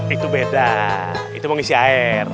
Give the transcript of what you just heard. itu beda itu mau ngisi air